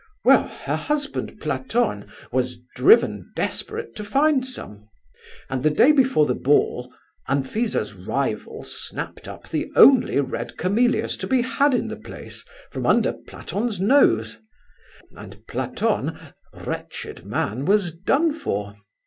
Well, her husband Platon was driven desperate to find some. And the day before the ball, Anfisa's rival snapped up the only red camellias to be had in the place, from under Platon's nose, and Platon—wretched man—was done for.